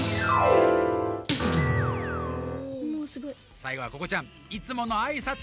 さいごはここちゃんいつものあいさつでしめましょう。